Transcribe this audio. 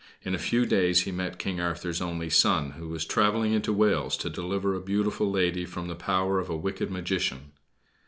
In a few days he met King Arthur's only son, who was traveling into Wales to deliver a beautiful lady from the power of a wicked magician.